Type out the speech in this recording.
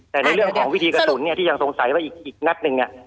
แต่ในเรื่องของวิธีกระสุนเนี่ยที่ยังสงสัยว่าอีกนัดหนึ่ง